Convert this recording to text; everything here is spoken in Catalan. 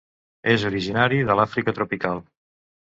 És originari de l'Àfrica tropical.